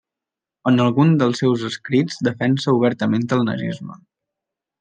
En alguns dels seus escrits defensa obertament el nazisme.